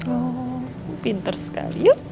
oh pinter sekali yuk